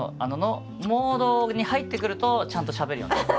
モードに入ってくるとちゃんとしゃべるようになる。